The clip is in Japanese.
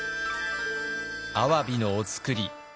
アワビのお造り